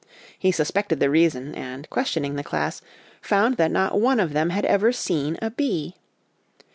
He suspected the reason, and questioning the class, found that not one of them had ever seen a bee.